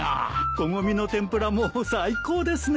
コゴミの天ぷらも最高ですね。